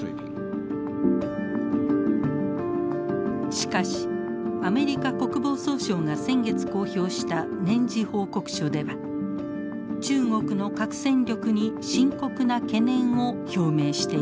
しかしアメリカ国防総省が先月公表した年次報告書では中国の核戦力に深刻な懸念を表明しています。